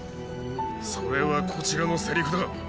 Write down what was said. それはこちらのセリフだ。